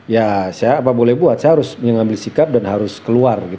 ya saya apa boleh buat saya harus mengambil sikap dan harus keluar